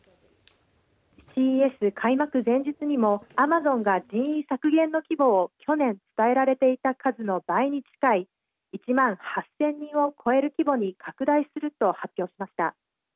ＣＥＳ開幕前日にもアマゾンが人員削減の規模を去年、伝えられていた数の倍に近い１万８０００人を超える規模に拡大すると発表しました。